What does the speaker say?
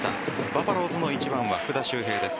バファローズの１番は福田周平です。